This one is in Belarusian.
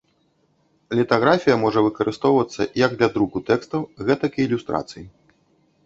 Літаграфія можа выкарыстоўвацца як для друку тэкстаў, гэтак і ілюстрацый.